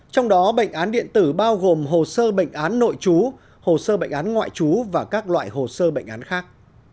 trong đó bệnh án điện tử bao gồm hồ sơ bệnh án nội chú hồ sơ bệnh án ngoại trú và các loại hồ sơ bệnh án khác